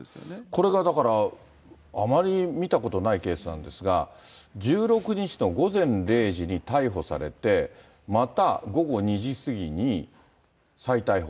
これがだから、あまり見たことないケースなんですが、１６日の午前０時に逮捕されて、また午後２時過ぎに再逮捕。